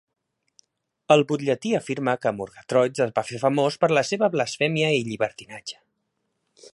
El butlletí afirma que Murgatroyds es va fer famós "per la seva blasfèmia i llibertinatge".